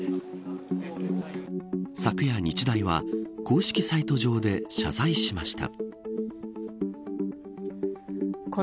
昨夜、日大は公式サイト上で謝罪しました。